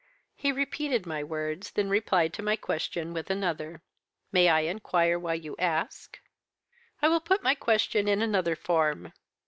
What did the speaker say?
He repeated my words, then replied to my question with another, 'May I inquire why you ask?' "'I will put my question in another form.